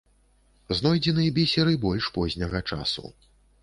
Знойдзены бісер і больш позняга часу.